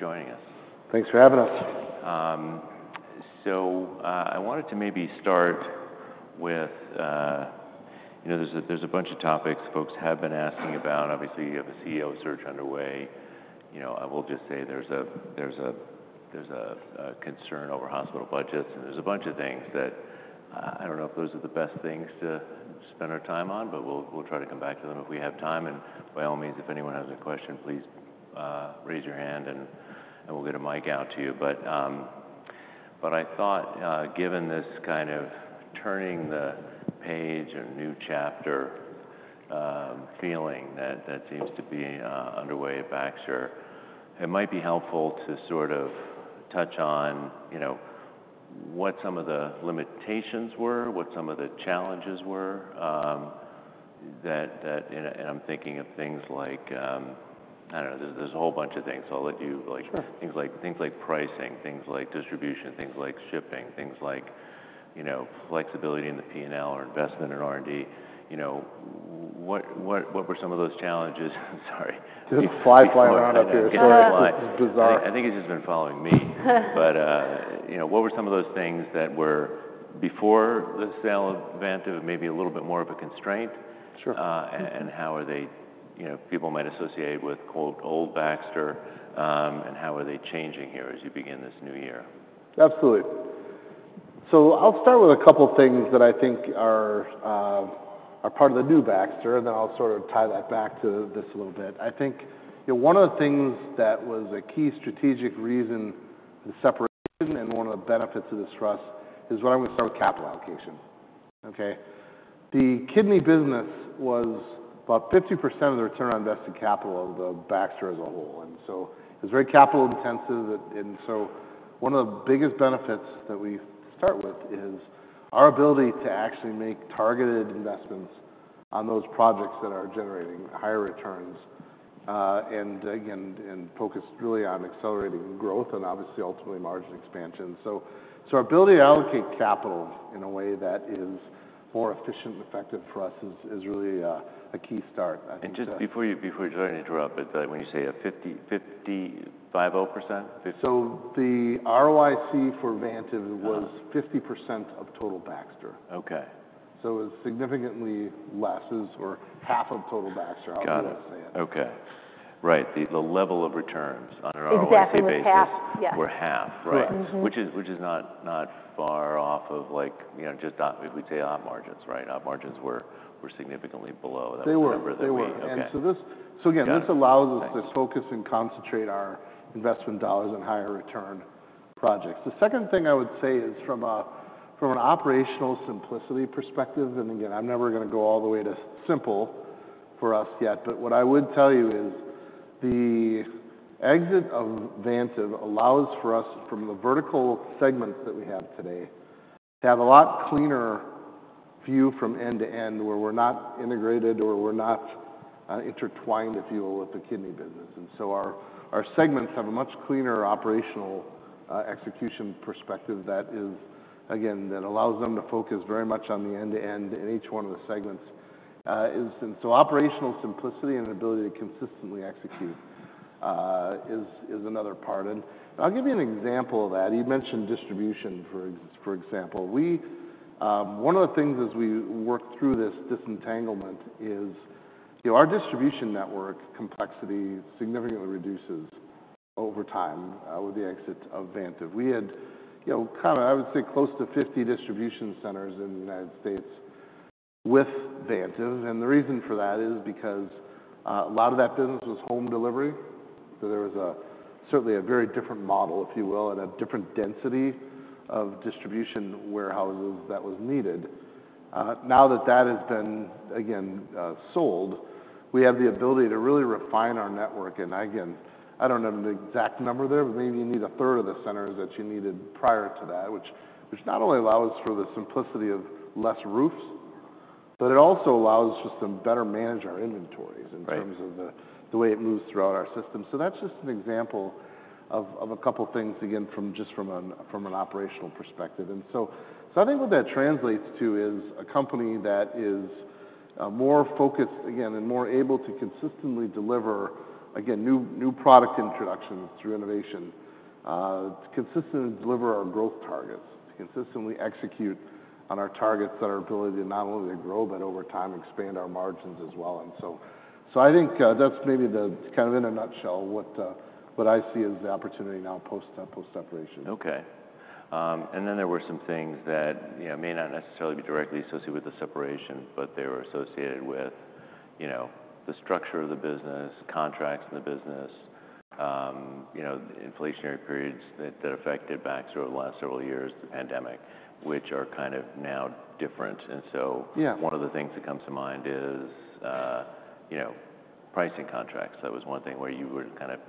For joining us. Thanks for having us. I wanted to maybe start with, you know, there's a—there's a bunch of topics folks have been asking about. Obviously, you have a CEO search underway. You know, I will just say there's a—there's a—there's a concern over hospital budgets, and there's a bunch of things that I—I don't know if those are the best things to spend our time on, but we'll—we'll try to come back to them if we have time. By all means, if anyone has a question, please, raise your hand, and we'll get a mic out to you. I thought, given this kind of turning the page or new chapter, feeling that—that seems to be underway at Baxter, it might be helpful to sort of touch on, you know, what some of the limitations were, what some of the challenges were, that—that—and—and I'm thinking of things like, I don't know, there's—there's a whole bunch of things. I'll let you, like, things like—things like pricing, things like distribution, things like shipping, things like, you know, flexibility in the P&L or investment in R&D. You know, what—what—what were some of those challenges? Sorry. Just fly, fly around up here. Gary and I think he's just been following me. You know, what were some of those things that were before the sale event of maybe a little bit more of a constraint? Sure. and how are they—you know, people might associate with, quote, "Old Baxter," and how are they changing here as you begin this new year? Absolutely. I'll start with a couple of things that I think are part of the new Baxter, and then I'll sort of tie that back to this a little bit. I think, you know, one of the things that was a key strategic reason for the separation and one of the benefits of this trust is what I'm going to start with: capital allocation. Okay? The kidney business was about 50% of the return on invested capital of Baxter as a whole. It was very capital-intensive. One of the biggest benefits that we start with is our ability to actually make targeted investments on those projects that are generating higher returns, and, again, focused really on accelerating growth and, obviously, ultimately margin expansion. Our ability to allocate capital in a way that is more efficient and effective for us is really a key start. Just before you—before you—sorry to interrupt, but, when you say a 50—50—50%? The ROIC for Vantive was 50% of total Baxter. Okay. It was significantly less or half of total Baxter. I'll say it. Got it. Okay. Right. The level of returns on ROIC basis. Exactly. Half. We're half. Right. Right. Which is not—not far off of, like, you know, just op—we'd say op margins. Right? Op margins were significantly below that. They were. That we remember. They were. Okay. This allows us to focus and concentrate our investment dollars in higher return projects. The second thing I would say is from an operational simplicity perspective, and again, I'm never going to go all the way to simple for us yet, but what I would tell you is the exit of Vantive allows for us, from the vertical segments that we have today, to have a lot cleaner view from end to end where we're not integrated or we're not intertwined, if you will, with the kidney business. Our segments have a much cleaner operational execution perspective that is, again, that allows them to focus very much on the end to end in each one of the segments. Operational simplicity and ability to consistently execute is another part. I'll give you an example of that. You mentioned distribution, for example. We, one of the things as we worked through this disentanglement is, you know, our distribution network complexity significantly reduces over time with the exit of Vantive. We had, you know, kind of, I would say, close to 50 distribution centers in the United States with Vantive. The reason for that is because, a lot of that business was home delivery. There was a—certainly a very different model, if you will, and a different density of distribution warehouses that was needed. Now that that has been, again, sold, we have the ability to really refine our network. I don't know the exact number there, but maybe you need a third of the centers that you needed prior to that, which not only allows for the simplicity of fewer roofs, but it also allows us to better manage our inventories in terms of the way it moves throughout our system. That is just an example of a couple of things, again, just from an operational perspective. I think what that translates to is a company that is more focused, again, and more able to consistently deliver, again, new product introductions through innovation, to consistently deliver our growth targets, to consistently execute on our targets that are our ability to not only grow, but over time expand our margins as well. I think that's maybe the—it's kind of in a nutshell what I see as the opportunity now post-separation. Okay. And then there were some things that, you know, may not necessarily be directly associated with the separation, but they were associated with, you know, the structure of the business, contracts in the business, you know, the inflationary periods that affected Baxter over the last several years, the pandemic, which are kind of now different. And so. Yeah. One of the things that comes to mind is, you know, pricing contracts. That was one thing where you were kind of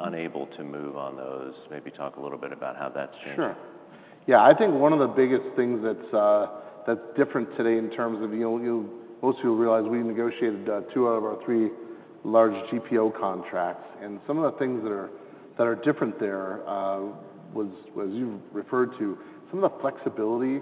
unable to move on those. Maybe talk a little bit about how that's changed. Sure. Yeah. I think one of the biggest things that's different today in terms of, you know, you'll—most of you will realize we negotiated two out of our three large GPO contracts. Some of the things that are different there was, was you've referred to some of the flexibility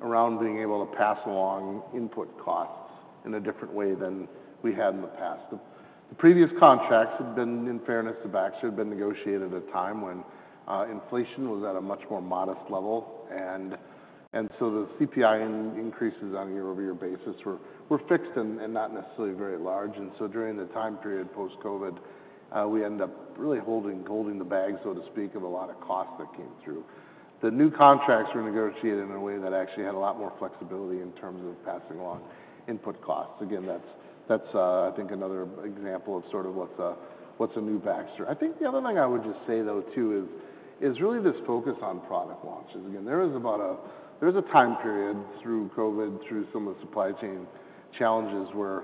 around being able to pass along input costs in a different way than we had in the past. The previous contracts had been, in fairness to Baxter, had been negotiated at a time when inflation was at a much more modest level. The CPI increases on a year-over-year basis were fixed and not necessarily very large. During the time period post-COVID, we ended up really holding the bag, so to speak, of a lot of costs that came through. The new contracts were negotiated in a way that actually had a lot more flexibility in terms of passing along input costs. Again, that's—I think another example of sort of what's a new Baxter. I think the other thing I would just say, though, too, is really this focus on product launches. Again, there is about a—there's a time period through COVID, through some of the supply chain challenges where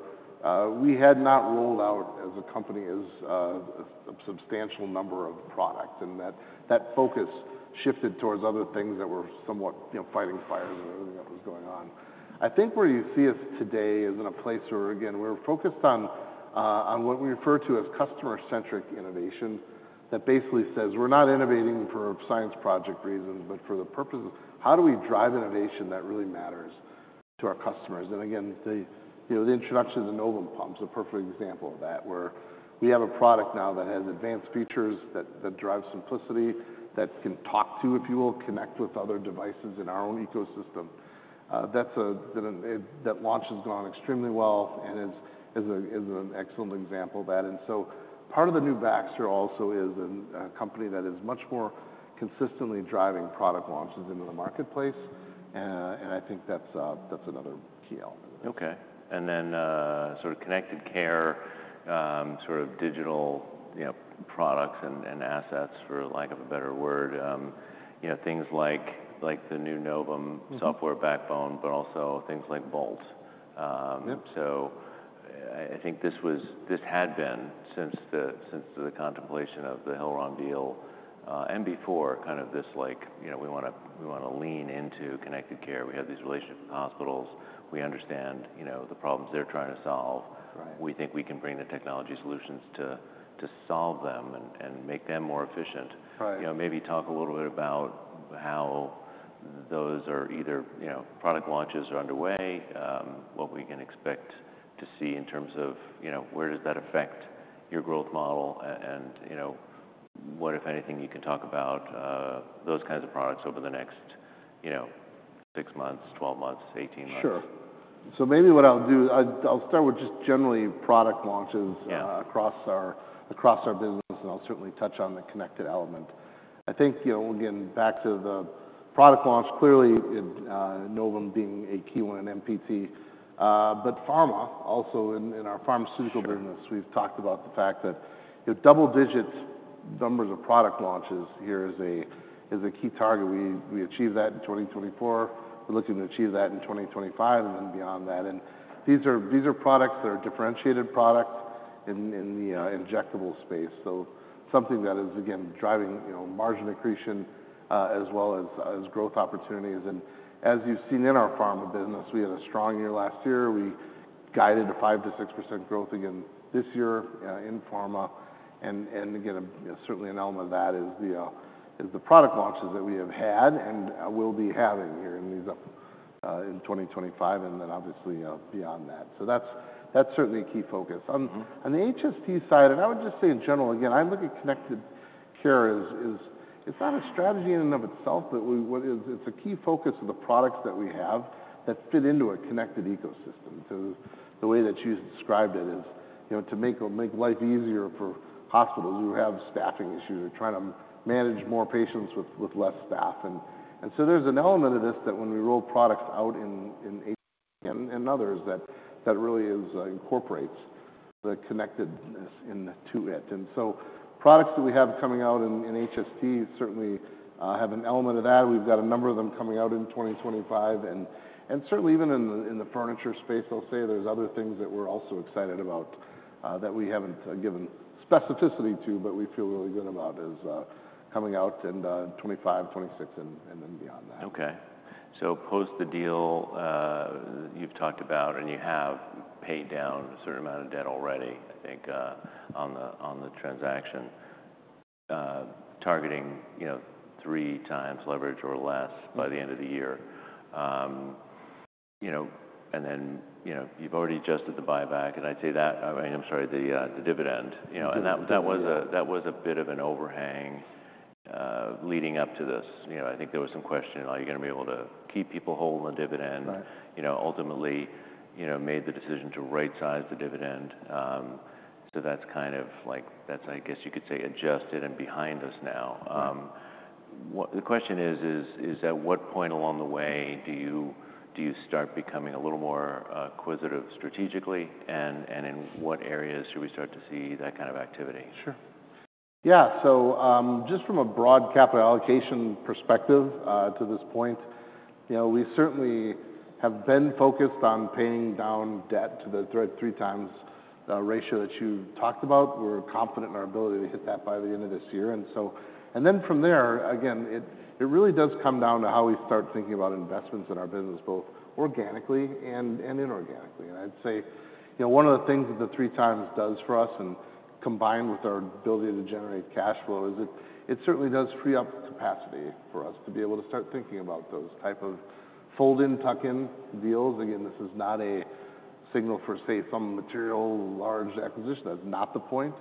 we had not rolled out as a company a substantial number of products, and that focus shifted towards other things that were somewhat, you know, fighting fires and everything that was going on. I think where you see us today is in a place where, again, we're focused on what we refer to as customer-centric innovation that basically says we're not innovating for science project reasons, but for the purpose of how do we drive innovation that really matters to our customers. And again, you know, the introduction of the Novum pump is a perfect example of that where we have a product now that has advanced features that drive simplicity, that can talk to, if you will, connect with other devices in our own ecosystem. That launch has gone extremely well and is an excellent example of that. Part of the new Baxter also is a company that is much more consistently driving product launches into the marketplace. I think that's another key element. Okay. And then, sort of connected care, sort of digital, you know, products and assets, for lack of a better word, you know, things like, like the new Novum software backbone, but also things like BOLT. Yep. I think this had been since the contemplation of the Hillrom deal, and before, kind of this, like, you know, we want to—we want to lean into connected care. We have these relationships with hospitals. We understand, you know, the problems they're trying to solve. Right. We think we can bring the technology solutions to solve them and make them more efficient. Right. You know, maybe talk a little bit about how those are either, you know, product launches are underway, what we can expect to see in terms of, you know, where does that affect your growth model, and, you know, what, if anything, you can talk about, those kinds of products over the next, you know, six months, 12 months, 18 months. Sure. Maybe what I'll do is I'll start with just generally product launches. Yeah. Across our business, and I'll certainly touch on the connected element. I think, you know, again, back to the product launch, clearly, Novum being a key one, and MPT. But pharma also in our pharmaceutical business, we've talked about the fact that, you know, double-digit numbers of product launches here is a key target. We achieved that in 2024. We're looking to achieve that in 2025 and then beyond that. These are products that are differentiated products in the injectable space. Something that is, again, driving, you know, margin accretion, as well as growth opportunities. As you've seen in our pharma business, we had a strong year last year. We guided a 5%-6% growth again this year, in pharma. And again, you know, certainly an element of that is the product launches that we have had and will be having here in these up, in 2025 and then obviously, beyond that. That's certainly a key focus. On the HST side, I would just say in general, again, I look at connected care as it's not a strategy in and of itself, but we—what is—it's a key focus of the products that we have that fit into a connected ecosystem. The way that you described it is, you know, to make life easier for hospitals who have staffing issues or are trying to manage more patients with less staff. There is an element of this that when we roll products out in HST and others that really is, incorporates the connectedness into it. Products that we have coming out in HST certainly have an element of that. We've got a number of them coming out in 2025. Certainly, even in the furniture space, I'll say there's other things that we're also excited about, that we haven't given specificity to, but we feel really good about as coming out in 2025, 2026, and then beyond that. Okay. Post the deal, you've talked about, and you have paid down a certain amount of debt already, I think, on the transaction, targeting, you know, three times leverage or less by the end of the year. You know, and then, you know, you've already adjusted the buyback. I'd say that—I mean, I'm sorry, the, the dividend, you know. Right. That was a bit of an overhang, leading up to this. You know, I think there was some question of, are you going to be able to keep people holding the dividend? Right. You know, ultimately, you know, made the decision to right-size the dividend. That's kind of like—that's, I guess you could say, adjusted and behind us now. What the question is, is, at what point along the way do you—do you start becoming a little more acquisitive strategically? And in what areas should we start to see that kind of activity? Sure. Yeah. Just from a broad capital allocation perspective, to this point, you know, we certainly have been focused on paying down debt to the three times ratio that you talked about. We're confident in our ability to hit that by the end of this year. From there, it really does come down to how we start thinking about investments in our business, both organically and inorganically. I'd say, you know, one of the things that the three times does for us, combined with our ability to generate cash flow, is it certainly does free up capacity for us to be able to start thinking about those type of fold-in, tuck-in deals. Again, this is not a signal for, say, some material, large acquisition. That's not the point.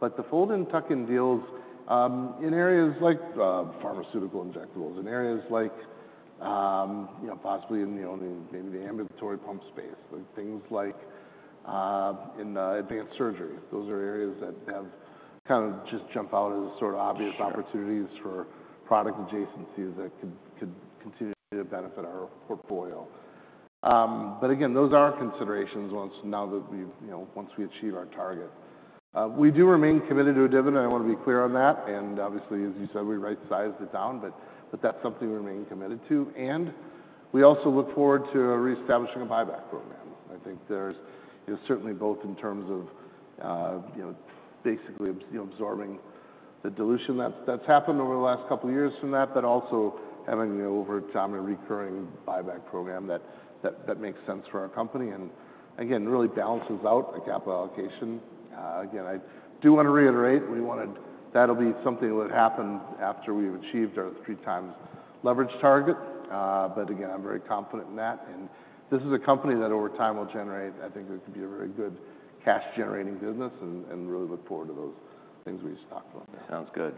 The fold-in, tuck-in deals, in areas like pharmaceutical injectables, in areas like, you know, possibly in, you know, in maybe the ambulatory pump space, like things like, in advanced surgery, those are areas that have kind of just jump out as sort of obvious opportunities for product adjacencies that could continue to benefit our portfolio. Again, those are considerations once—now that we've, you know, once we achieve our target. We do remain committed to a dividend. I want to be clear on that. Obviously, as you said, we right-sized it down, but that's something we remain committed to. We also look forward to reestablishing a buyback program. I think there's, you know, certainly both in terms of, you know, basically, you know, absorbing the dilution that's happened over the last couple of years from that, but also having, you know, over time, a recurring buyback program that makes sense for our company and, again, really balances out the capital allocation. Again, I do want to reiterate we wanted that to be something that happened after we've achieved our three times leverage target. Again, I'm very confident in that. And this is a company that over time will generate, I think it could be a very good cash-generating business and really look forward to those things we just talked about. Sounds good.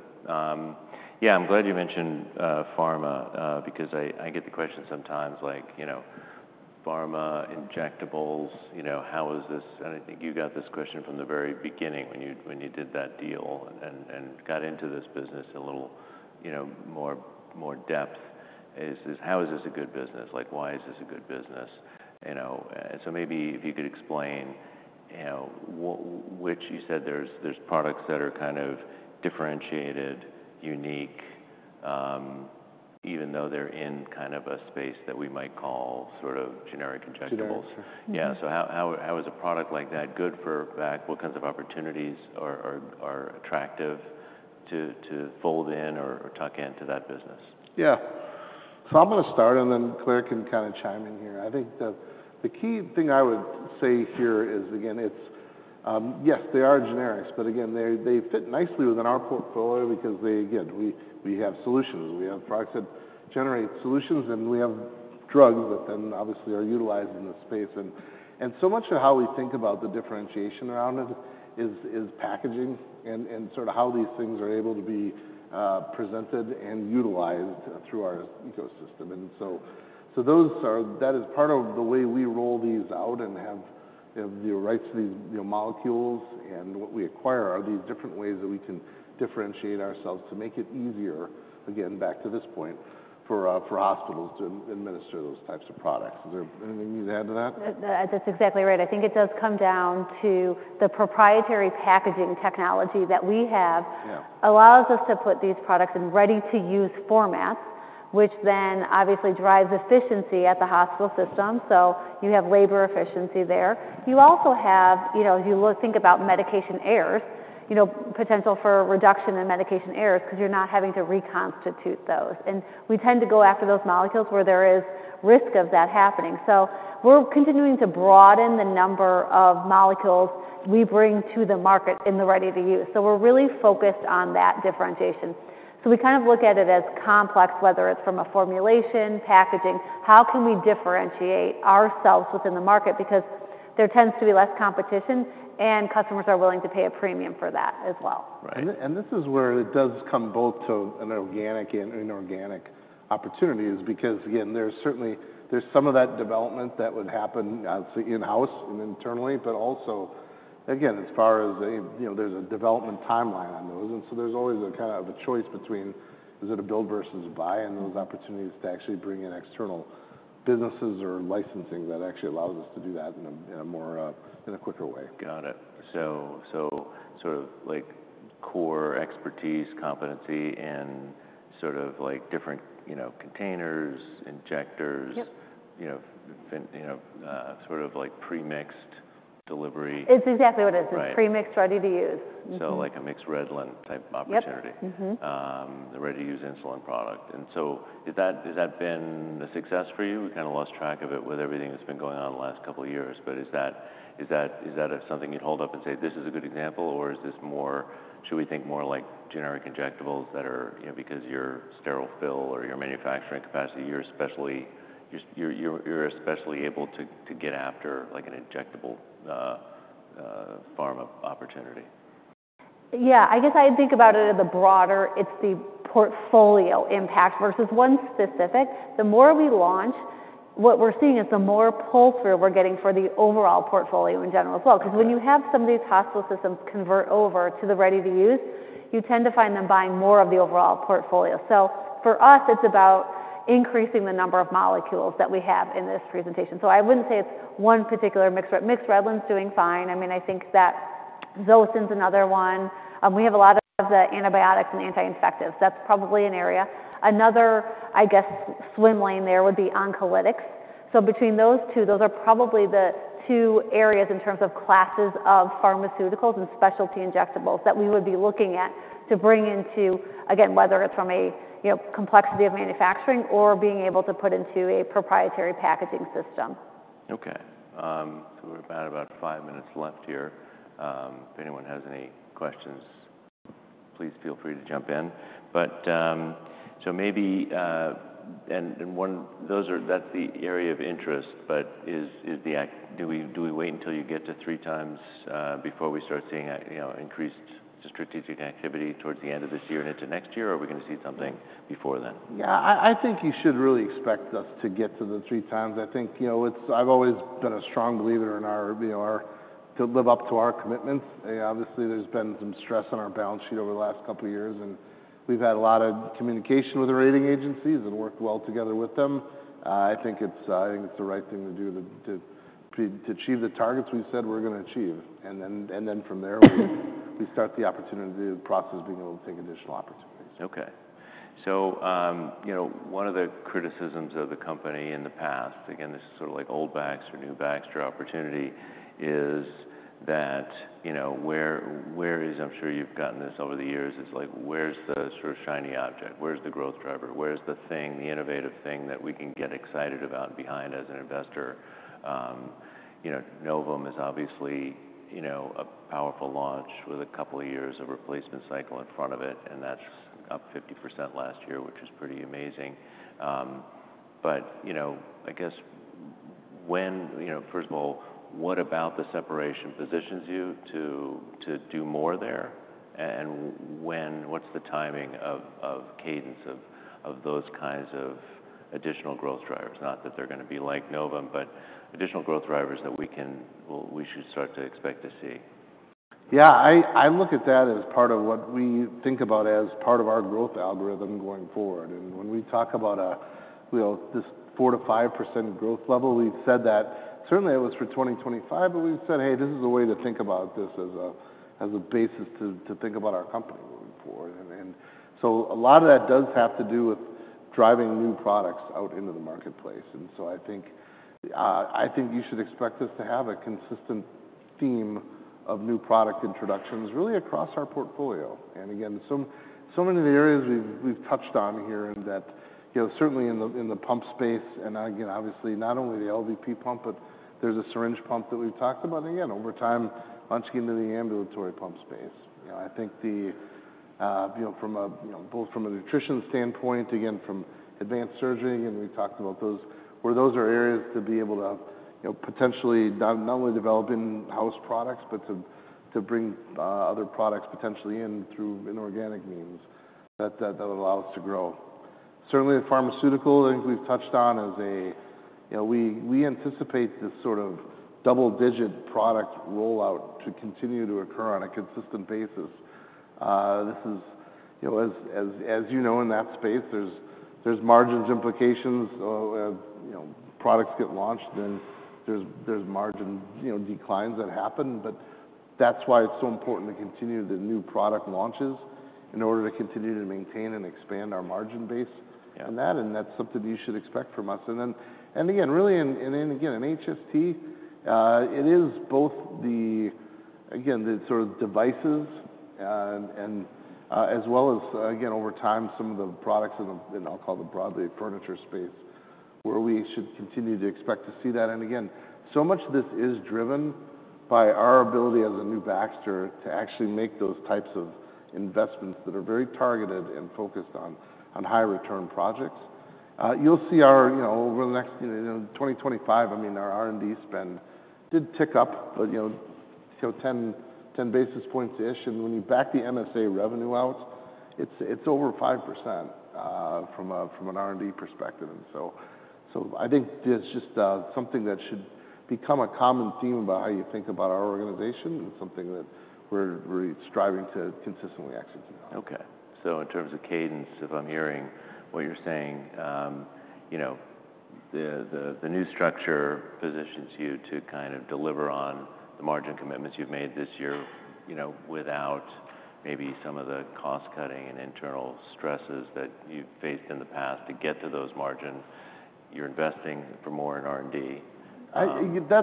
Yeah, I'm glad you mentioned pharma, because I get the question sometimes like, you know, pharma injectables, you know, how is this—and I think you got this question from the very beginning when you did that deal and got into this business a little, you know, more depth is how is this a good business? Like, why is this a good business? You know, and so maybe if you could explain, you know, what—which you said there's products that are kind of differentiated, unique, even though they're in kind of a space that we might call sort of generic injectables. Generics. Yeah. How is a product like that good for Baxter? What kinds of opportunities are attractive to fold in or tuck into that business? Yeah. I am going to start, and then Clare can kind of chime in here. I think the key thing I would say here is, again, yes, they are generics, but again, they fit nicely within our portfolio because they, again, we have solutions. We have products that generate solutions, and we have drugs that then obviously are utilized in the space. So much of how we think about the differentiation around it is packaging and sort of how these things are able to be presented and utilized through our ecosystem. Those are—that is part of the way we roll these out and have, you know, the rights to these, you know, molecules. What we acquire are these different ways that we can differentiate ourselves to make it easier, again, back to this point, for hospitals to administer those types of products. Is there anything you'd add to that? That's exactly right. I think it does come down to the proprietary packaging technology that we have. Yeah. Allows us to put these products in ready-to-use formats, which then obviously drives efficiency at the hospital system. You have labor efficiency there. You also have, you know, as you think about medication errors, you know, potential for reduction in medication errors because you're not having to reconstitute those. We tend to go after those molecules where there is risk of that happening. We're continuing to broaden the number of molecules we bring to the market in the ready-to-use. We're really focused on that differentiation. We kind of look at it as complex, whether it's from a formulation, packaging, how can we differentiate ourselves within the market, because there tends to be less competition and customers are willing to pay a premium for that as well. Right. This is where it does come both to organic and inorganic opportunities because, again, there's certainly some of that development that would happen, obviously, in-house and internally, but also, again, as far as, you know, there's a development timeline on those. There's always a kind of a choice between is it a build versus a buy and those opportunities to actually bring in external businesses or licensing that actually allows us to do that in a more, in a quicker way. Got it. Sort of like core expertise, competency in sort of like different, you know, containers, injectors. Yep. You know, you know, sort of like premixed delivery. It's exactly what it is. It's premixed ready-to-use. Like a MYXREDLIN type opportunity. Yes. The ready-to-use insulin product. Is that—has that been a success for you? We kind of lost track of it with everything that's been going on the last couple of years. Is that something you'd hold up and say, "This is a good example," or should we think more like generic injectables that are, you know, because your sterile fill or your manufacturing capacity, you're especially—you're especially able to get after like an injectable, pharma opportunity? Yeah. I guess I'd think about it in the broader—it's the portfolio impact versus one specific. The more we launch, what we're seeing is the more pull-through we're getting for the overall portfolio in general as well. Because when you have some of these hospital systems convert over to the ready-to-use, you tend to find them buying more of the overall portfolio. For us, it's about increasing the number of molecules that we have in this presentation. I wouldn't say it's one particular mixed—MYXREDLIN doing fine. I mean, I think that ZOSYN's another one. We have a lot of the antibiotics and anti-infectives. That's probably an area. Another, I guess, swim lane there would be oncolytics. Between those two, those are probably the two areas in terms of classes of pharmaceuticals and specialty injectables that we would be looking at to bring into, again, whether it's from a, you know, complexity of manufacturing or being able to put into a proprietary packaging system. Okay. We're about five minutes left here. If anyone has any questions, please feel free to jump in. Maybe, and one—those are—that's the area of interest, but is the act—do we—do we wait until you get to three times before we start seeing, you know, increased strategic activity towards the end of this year and into next year, or are we going to see something before then? Yeah, I think you should really expect us to get to the three times. I think, you know, I've always been a strong believer in our, you know, our—to live up to our commitments. Obviously, there's been some stress on our balance sheet over the last couple of years, and we've had a lot of communication with the rating agencies and worked well together with them. I think it's the right thing to do to achieve the targets we said we're going to achieve. Then from there, we start the opportunity to process being able to take additional opportunities. Okay. You know, one of the criticisms of the company in the past, again, this is sort of like old Baxter, new Baxter opportunity, is that, you know, where is—I'm sure you've gotten this over the years—is like, where's the sort of shiny object? Where's the growth driver? Where's the thing, the innovative thing that we can get excited about and behind as an investor? You know, Novum is obviously, you know, a powerful launch with a couple of years of replacement cycle in front of it, and that's up 50% last year, which is pretty amazing. You know, I guess when, you know, first of all, what about the separation positions you to do more there? And when—what's the timing of cadence of those kinds of additional growth drivers? Not that they're going to be like Novum, but additional growth drivers that we can—well, we should start to expect to see. Yeah, I look at that as part of what we think about as part of our growth algorithm going forward. When we talk about a, you know, this 4%-5% growth level, we've said that certainly it was for 2025, but we've said, "Hey, this is a way to think about this as a basis to think about our company moving forward." A lot of that does have to do with driving new products out into the marketplace. I think you should expect us to have a consistent theme of new product introductions really across our portfolio. Again, so many of the areas we've touched on here and that, you know, certainly in the pump space, and again, obviously, not only the LVP pump, but there's a syringe pump that we've talked about. Over time, punching into the ambulatory pump space. I think, from a nutrition standpoint, again, from advanced surgery, and we talked about those, where those are areas to be able to potentially not only develop in-house products, but to bring other products potentially in through inorganic means that would allow us to grow. Certainly, the pharmaceutical, I think we've touched on as a, we anticipate this sort of double-digit product rollout to continue to occur on a consistent basis. This is, as you know, in that space, there are margin implications. You know, products get launched, then there are margin declines that happen. That is why it is so important to continue the new product launches in order to continue to maintain and expand our margin base on that. That's something you should expect from us. Again, in HST, it is both the sort of devices, as well as, over time, some of the products in, I'll call it the broadly furniture space, where we should continue to expect to see that. Again, so much of this is driven by our ability as a new Baxter to actually make those types of investments that are very targeted and focused on high-return projects. You'll see our, you know, over the next, you know, 2025, I mean, our R&D spend did tick up, but, you know, 10-10 basis points-ish. When you back the MSA revenue out, it's over 5%, from an R&D perspective. I think it's just something that should become a common theme about how you think about our organization and something that we're striving to consistently execute. Okay. In terms of cadence, if I'm hearing what you're saying, you know, the new structure positions you to kind of deliver on the margin commitments you've made this year, you know, without maybe some of the cost-cutting and internal stresses that you've faced in the past to get to those margins. You're investing for more in R&D.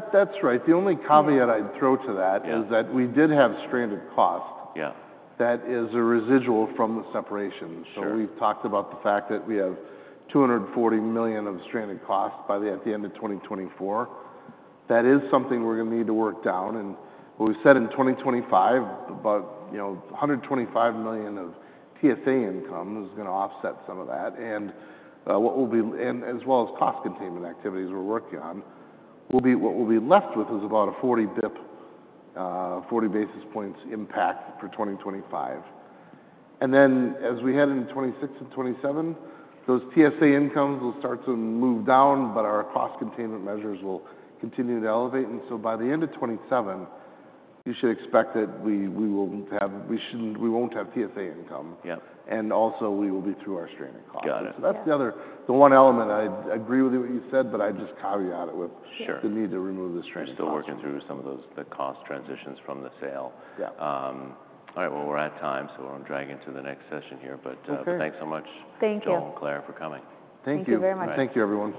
That's right. The only caveat I'd throw to that is that we did have stranded cost. Yeah. That is a residual from the separation. Sure. We have talked about the fact that we have $240 million of stranded costs by the end of 2024. That is something we are going to need to work down. What we have said in 2025, about, you know, $125 million of TSA income is going to offset some of that. As well as cost containment activities we are working on, what we will be left with is about a 40 basis points impact for 2025. As we head into 2026 and 2027, those TSA incomes will start to move down, but our cost containment measures will continue to elevate. By the end of 2027, you should expect that we will have—we should not—we will not have TSA income. Yeah. We will be through our stranded costs. Got it. That's the other—the one element I'd agree with you what you said, but I'd just caveat it with. Sure. The need to remove the stranded cost. We're still working through some of those, the cost transitions from the sale. Yeah. All right. We're at time, so we're going to drag into the next session here. Thanks so much. Thank you. Joel and Clare, for coming. Thank you. Thank you very much. Thank you, everyone.